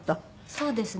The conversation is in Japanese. そうですね。